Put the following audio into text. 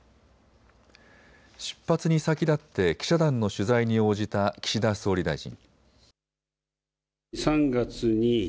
出発に先立って記者団の取材に応じた岸田総理大臣。